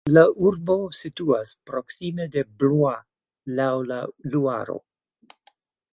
La urbo situas proksime de Blois laŭ la Luaro.